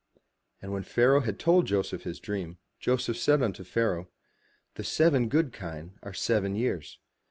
And when Pharaoh had told Joseph his dream, Joseph said unto Pharaoh, "The seven good kine are seven years.